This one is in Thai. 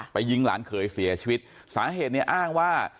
ยิงหลานเขยเสียชีวิตสาเหตุเนี่ยอ้างว่า